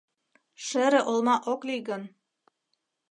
Шере олма ок лий гын?